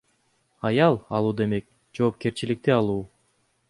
Аял алуу демек жоопкерчиликти алуу.